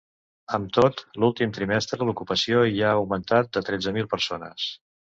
Amb tot, l’últim trimestre l’ocupació hi ha augmentat de tretze mil persones.